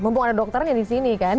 mumpung ada dokternya di sini kan